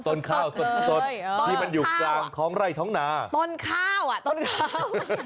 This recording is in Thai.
ต้นข้าวสดที่มันอยู่กลางท้องไร่ท้องนาต้นข้าวอ่ะต้นข้าว